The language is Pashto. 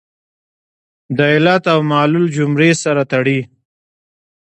د علت او معلول جملې سره تړي.